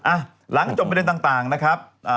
หลังจบประเด็นต่างนะครับ